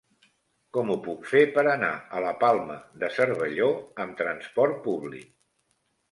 Com ho puc fer per anar a la Palma de Cervelló amb trasport públic?